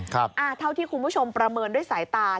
เท่าที่คุณผู้ชมประเมินด้วยสายตา